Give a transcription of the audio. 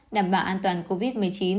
đảm bảo an toàn covid một mươi chín